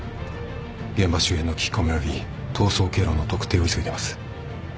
現場周辺の聞き込みおよび逃走経路の特定を急いでます。